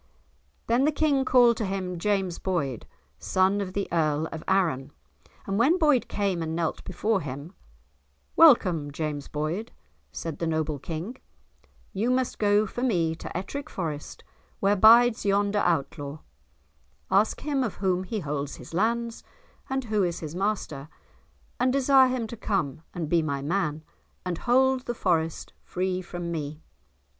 Then the King called to him James Boyd, son of the Earl of Arran, and when Boyd came and knelt before him, "Welcome, James Boyd," said the noble King; "you must go for me to Ettrick Forest where bides yonder Outlaw, ask him of whom he holds his lands, and who is his master, and desire him to come and be my man, and hold the Forest free from me.